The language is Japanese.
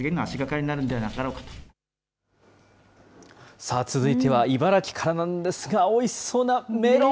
さあ続いては、茨城からなんですが、おいしそうなメロン。